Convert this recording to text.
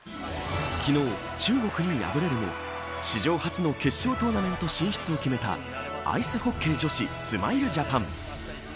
昨日中国に敗れるも史上初の決勝トーナメント進出を決めたアイスホッケー女子スマイルジャパン。